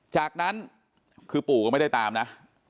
จากนั้นคือปู่ก็ไม่ได้ตามนะ